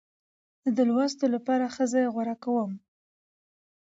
زه د لوستو لپاره ښه ځای غوره کوم.